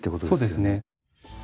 そうですね。